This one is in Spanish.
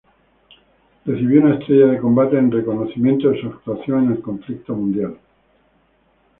Recibió una estrellas de combate en reconocimiento de su actuación en el conflicto mundial.